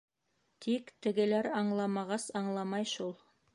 Тик тегеләр аңламағас аңламай шул.